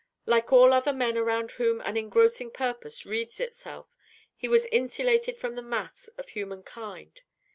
Like all other men around whom an engrossing purpose wreathes itself, he was insulated from the mass of human kind.